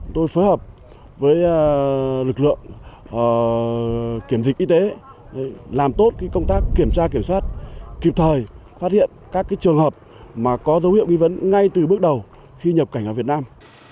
tôi phối hợp với lực lượng kiểm dịch y tế làm tốt công tác kiểm tra kiểm soát kịp thời phát hiện các trường hợp có dấu hiệu nghi vấn ngay từ bước đầu khi nhập cảnh vào việt nam